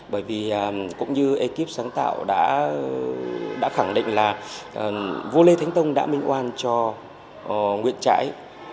bởi vì cũng như ekip sáng tạo đã khẳng định là vua lê thánh tông đã minh oan cho nguyễn trãi